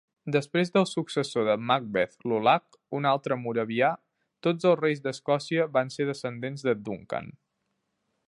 Després del successor de Macbeth Lulach, un altre moravià, Tots els reis d'Escòcia van ser descendents de Duncan.